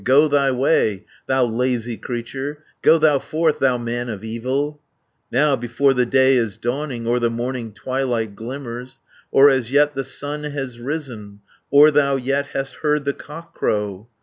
Go thy way, thou lazy creature, Go thou forth, thou man of evil, Now, before the day is dawning, Or the morning twilight glimmer, Or as yet the sun has risen, Or thou yet hast heard the cockcrow!